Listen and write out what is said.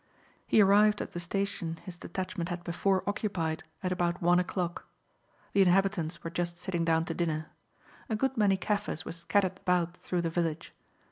He arrived at the station his detachment had before occupied at about one o'clock. The inhabitants were just sitting down to dinner. A good many Kaffirs were scattered about through the village.